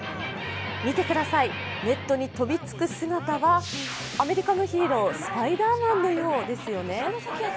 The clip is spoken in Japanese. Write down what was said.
見てください、ネットに飛びつく姿はアメリカのヒーロースパイダーマンのようですよね。